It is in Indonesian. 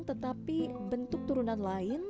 tetapi bentuk turunan lain